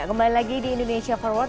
ya kembali lagi di indonesiaforward